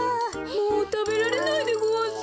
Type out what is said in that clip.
もうたべられないでごわす。